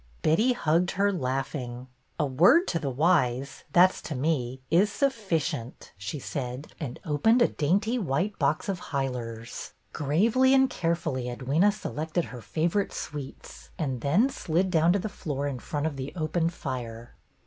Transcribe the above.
Betty hugged her, laughing. ' A word to the wise '— that 's to me —' is sufficient,' " she said, and opened a dainty white box of Huyler's. Gravely and carefully Edwyna selected her favorite sweets and then slid down to the floor in front of the open fire.